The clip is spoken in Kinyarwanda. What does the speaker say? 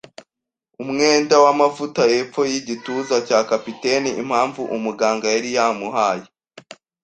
umwenda wamavuta hepfo yigituza cya capitaine. Impamvu umuganga yari yamuhaye